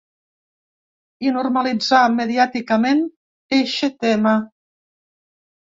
I normalitzar mediàticament eixe tema.